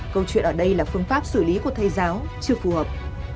câu chuyện ở đây là phương pháp xử lý của thầy giáo chưa phù hợp